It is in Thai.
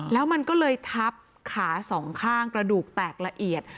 แล้วมันก็เลยทับขาสองข้างกระดูกแตกละเอียด